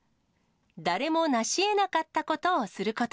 誰もなしえなかったことをすること。